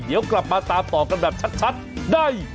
เดี๋ยวกลับมาตามต่อกันแบบชัดได้